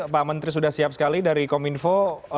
pak menteri sudah siap sekali dari kominfo